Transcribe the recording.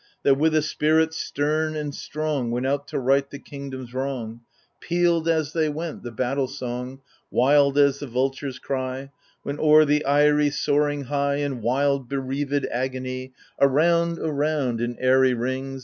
That with a spirit stem and strong Went out to right the kingdom*s wrong — Pealed, as they went, the battle song. Wild as the vultures' cry ; When o'er the eyrie, soaring high. In wild bereaved agony. Around, around, in airy rings.